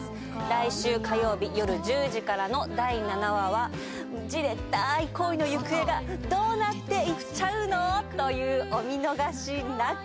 来週火曜日よる１０時からの第７話はじれったい恋の行方がどうなっていっちゃうの？というお見逃しなく！